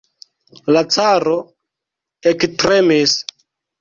La caro ektremis.